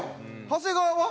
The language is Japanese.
長谷川は？